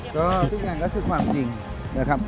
ก็ทุกอย่างก็คือความจริงนะครับ